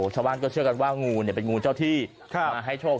ชาวบ้านก็เชื่อกันว่างูเป็นงูเจ้าที่มาให้โชค